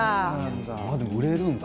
でも売れるんだ。